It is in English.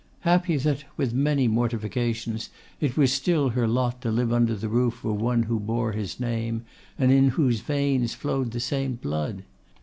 Happy that, with many mortifications, it was still her lot to live under the roof of one who bore his name, and in whose veins flowed the same blood!